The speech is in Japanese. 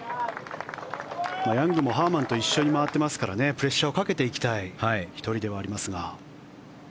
ヤングもハーマンと一緒に回っていますからプレッシャーをかけていきたい１人ではありますが。